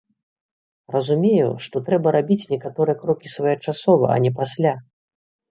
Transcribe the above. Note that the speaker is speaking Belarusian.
Разумею, што трэба рабіць некаторыя крокі своечасова, а не пасля.